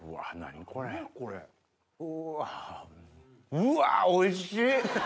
うわおいしい！